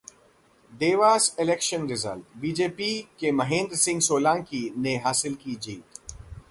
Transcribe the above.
Dewas Election Result: BJP के महेंद्र सिंह सोलंकी ने हासिल की जीत